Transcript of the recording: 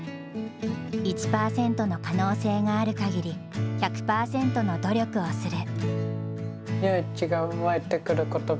１％の可能性がある限り１００％の努力をする。